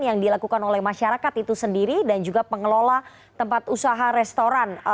yang dilakukan oleh masyarakat itu sendiri dan juga pengelola tempat usaha restoran